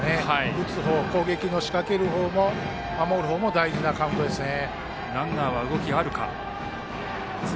打つ方、攻撃を仕掛ける方も守る方も大事なカウントですね。